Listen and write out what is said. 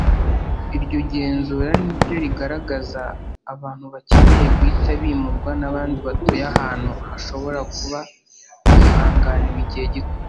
Iryo genzura niryo rizagaragaza abantu bakeneye guhita bimurwa n’abandi batuye ahantu hashobora kuba hihanganiwe igihe gito